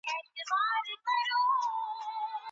څه وخت دولتي شرکتونه د ماشومانو خوراک هیواد ته راوړي؟